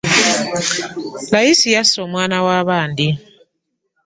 Layisi yassa omwana wa baandi.